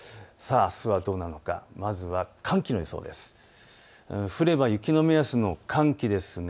あすはどうなのか、まずは寒気の予想です。